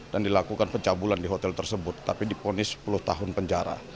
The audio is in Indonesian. dan dilakukan pencabulan di hotel tersebut tapi diponis sepuluh tahun penjara